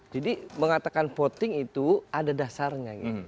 jadi mengatakan voting itu ada dasarnya